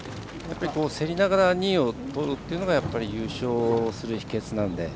せりながら２位をとるというのが優勝する秘けつなので。